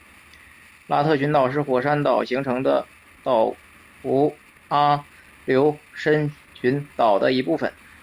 拉特群岛是火山岛形成的岛弧阿留申群岛的一部分。